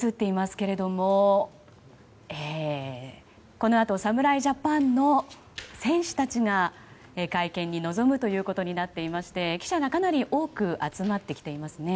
このあと侍ジャパンの選手たちが会見に臨むことになっていまして記者がかなり多く集まってきていますね。